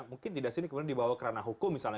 mungkin tidak sih ini kemudian dibawa kerana hukum misalnya